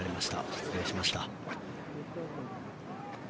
失礼しました。